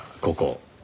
ここ。